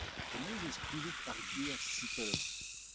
Penaos e skrivit ar ger Seattle ?